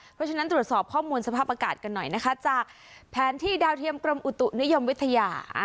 เพราะฉะนั้นตรวจสอบข้อมูลสภาพอากาศกันหน่อยนะคะจากแผนที่ดาวเทียมกรมอุตุนิยมวิทยา